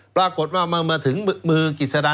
ปรากฏว่ามาถึงมือกฤษฎา